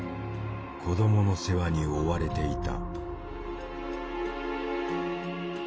子どもの世話に追われていた。